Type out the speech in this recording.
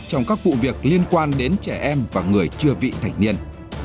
trong các vụ việc liên quan đến trẻ em và người chưa vị thành niên